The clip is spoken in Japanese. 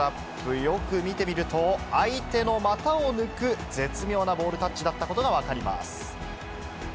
よく見てみると、相手の股を抜く絶妙なボールタッチだったことが分かります。